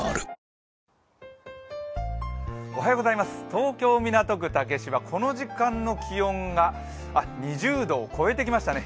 東京・港区竹芝、この時間の気温が２０度を超えてきましたね。